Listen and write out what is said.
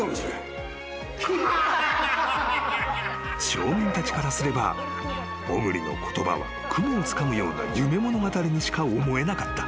［町民たちからすれば小栗の言葉は雲をつかむような夢物語にしか思えなかった］